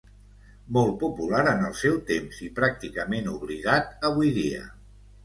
Molt popular en el seu temps i pràcticament oblidat avui dia.